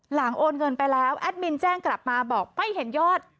โอนเงินไปแล้วแอดมินแจ้งกลับมาบอกไม่เห็นยอด